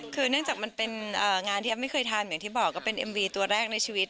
คือเนื่องจากมันเป็นงานที่แอฟไม่เคยทำอย่างที่บอกก็เป็นเอ็มวีตัวแรกในชีวิต